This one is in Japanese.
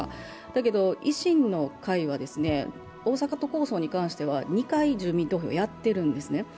だけど維新の会は大阪都構想に関しては２回、住民投票をやっているんですね。